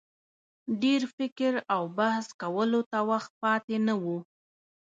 ډېر فکر او بحث کولو ته وخت پاته نه وو.